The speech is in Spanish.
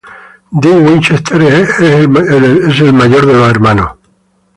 Dean Winchester es el mayor de los hermanos Winchester.